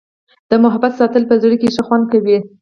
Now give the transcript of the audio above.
د محبت ساتل په زړه کي ښه خوند کوي.